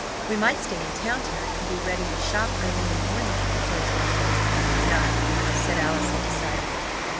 "We might stay in town to night, and be ready to shop early in the morning," proposed Leslie. "No," said Allison decidedly.